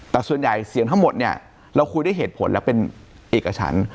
แต่ส่วนใหญ่เสียงทั้งหมดเนี่ยเราคุยด้วยเหตุผลและเป็นเอกฉัน